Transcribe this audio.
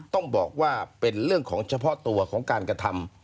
ต้องบอกว่าเป็นเรื่องของเฉพาะตัวของการกระทำ